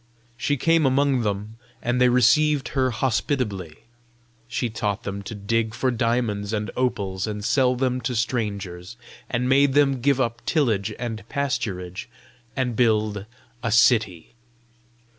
She came among them, and they received her hospitably. She taught them to dig for diamonds and opals and sell them to strangers, and made them give up tillage and pasturage and build a city.